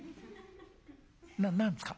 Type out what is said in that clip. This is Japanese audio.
「な何ですか？」